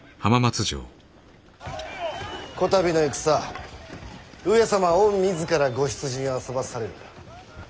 こたびの戦上様御自らご出陣あそばされる。